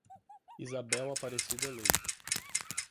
Isabel Aparecida Leite